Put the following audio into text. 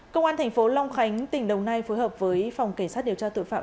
công an thành phố long khánh tỉnh đồng nai phối hợp với phòng cảnh sát điều tra tội phạm